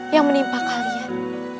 yang menimpa kalian